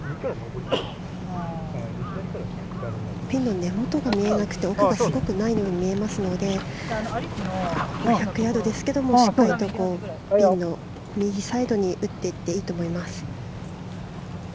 ピンの根元が見えなくて奥がないように見えますので１００ヤードですけどしっかりとピンの右サイドに打っていっていいと思います。